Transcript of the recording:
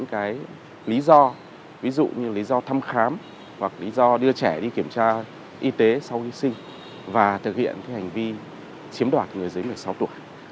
cái lý do ví dụ như lý do thăm khám hoặc lý do đưa trẻ đi kiểm tra y tế sau khi sinh và thực hiện cái hành vi chiếm đoạt người dưới một mươi sáu tuổi